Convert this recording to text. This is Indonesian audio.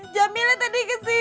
jamila tadi kesini